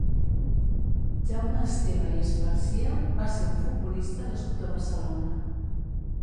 Jaume Esteve i Esparcia va ser un futbolista nascut a Barcelona.